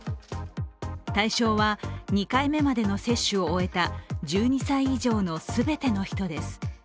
対象は２回目までの接種を終えた１２歳以上の全ての人です。